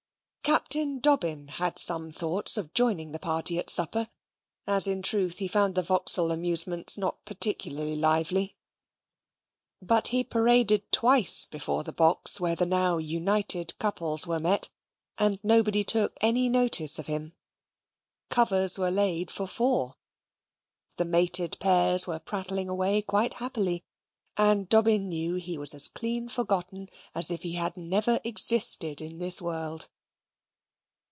Captain Dobbin had some thoughts of joining the party at supper: as, in truth, he found the Vauxhall amusements not particularly lively but he paraded twice before the box where the now united couples were met, and nobody took any notice of him. Covers were laid for four. The mated pairs were prattling away quite happily, and Dobbin knew he was as clean forgotten as if he had never existed in this world.